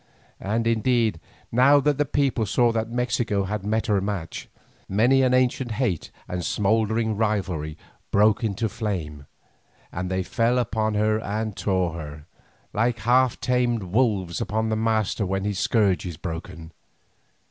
And, indeed, now that the people saw that Mexico had met her match, many an ancient hate and smouldering rivalry broke into flame, and they fell upon her and tore her, like half tamed wolves upon their master when his scourge is broken.